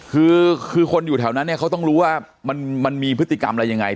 คือคือคนอยู่แถวนั้นเนี่ยเขาต้องรู้ว่ามันมีพฤติกรรมอะไรยังไง